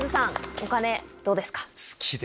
お金どうですか？